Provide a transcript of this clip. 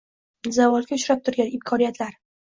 Zavolga uchrab turgan imkoniyatlar